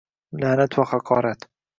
La'nat va haqorat